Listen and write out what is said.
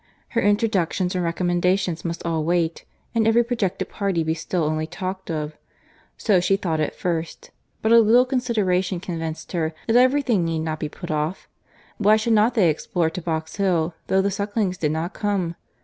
Her introductions and recommendations must all wait, and every projected party be still only talked of. So she thought at first;—but a little consideration convinced her that every thing need not be put off. Why should not they explore to Box Hill though the Sucklings did not come?